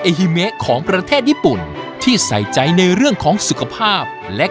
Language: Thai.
ฮิเมะของประเทศญี่ปุ่นที่ใส่ใจในเรื่องของสุขภาพและ